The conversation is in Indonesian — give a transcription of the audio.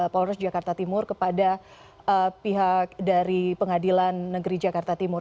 polres jakarta timur kepada pihak dari pengadilan negeri jakarta timur